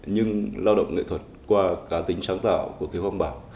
nhưng lao động nghệ thuật qua cá tính sáng tạo của khiếu quang bảo